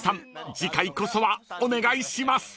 次回こそはお願いします］